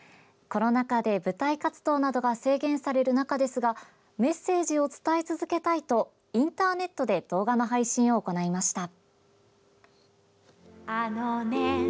コロナ禍で、舞台活動などが制限される中ですがメッセージを伝え続けたいとインターネットで動画の配信を行いました。